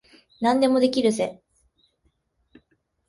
何でもできるぜ。